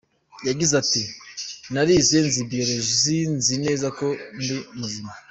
Yagize ati “Narize nzi Biologie nzi neza ko ndi muzima.